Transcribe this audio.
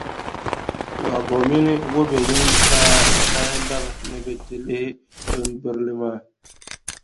Wagow mini Wobeyin daa lahi labi ni bɛ ti lihi bimbirili maa.